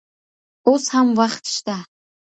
اوس هم وخت شته.